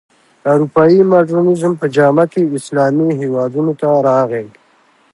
اروپايي مډرنیزم په جامه کې اسلامي هېوادونو ته راغی.